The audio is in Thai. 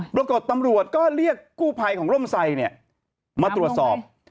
ปรากฏตำรวจก็เรียกกู้ภัยของร่มไซดมาตรวจสอบ